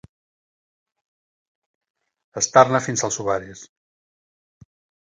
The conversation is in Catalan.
Estar-ne fins als ovaris.